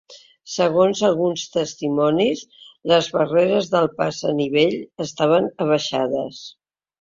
Segons alguns testimonis, les barreres del pas a nivell estaven abaixades.